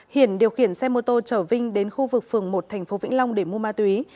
hiển điều khiển xe mô tô chở vinh đến khu vực phường một thành phố vĩnh long để mua ma túy